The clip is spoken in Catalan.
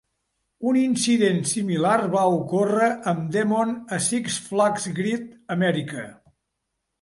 Un incident similar va ocórrer amb Demon a Six Flags Great America.